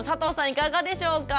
いかがでしょうか？